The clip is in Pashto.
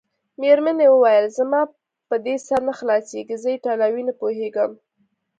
مېرمنې وویل: زما په دې سر نه خلاصیږي، زه ایټالوي نه پوهېږم.